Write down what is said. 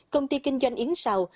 công ty kinh doanh yến xào